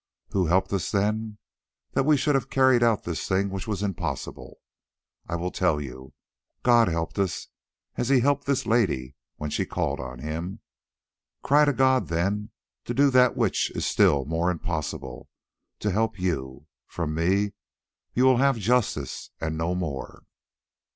Who helped us then?—that we should have carried out this thing which was impossible. I will tell you; God helped us as He helped this lady when she called on Him. Cry to God, then, to do that which is still more impossible—to help you. From me you will have justice and no more."